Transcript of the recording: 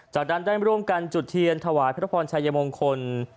จากนั้นได้ร่วมกันจุดเทียนถวายพระพรชัยมงคล